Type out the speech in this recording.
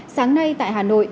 sáng nay tại hà nội